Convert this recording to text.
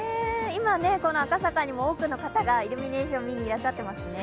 今、赤坂にも多くの方がイルミネーションを見にいらっしゃってますね。